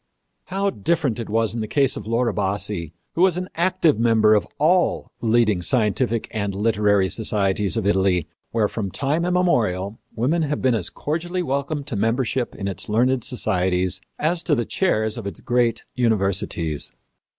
How different it was in the case of Laura Bassi, who was an active member of all the leading scientific and literary societies of Italy, where from time immemorial women have been as cordially welcomed to membership in its learned societies as to the chairs of its great universities.